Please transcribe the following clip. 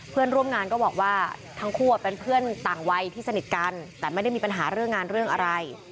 เพื่อนร่วมงานก็บอกว่าทั้งคู่เป็นเพื่อนต่างวัยที่สนิทกันแต่ไม่ได้มีปัญหาเรื่องงานเรื่องอะไร